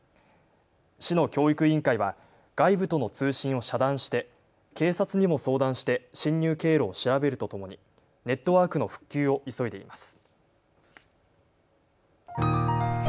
市の教育委員会は外部との通信を遮断して警察にも相談して侵入経路を調べるとともにネットワークの復旧を急いでいます。